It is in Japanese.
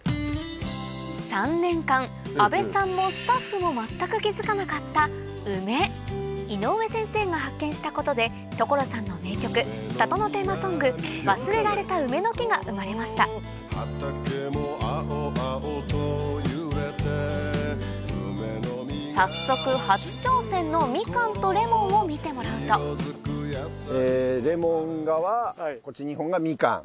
３年間阿部さんもスタッフも全く気付かなかった梅井上先生が発見したことで所さんの名曲が生まれました早速初挑戦のミカンとレモンを見てもらうとレモン側こっち２本がミカン。